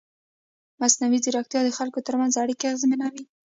مصنوعي ځیرکتیا د خلکو ترمنځ اړیکې اغېزمنوي.